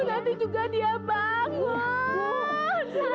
nanti juga dia bangun